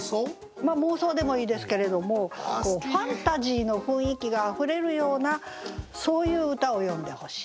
まあ妄想でもいいですけれどもファンタジーの雰囲気があふれるようなそういう歌を詠んでほしい。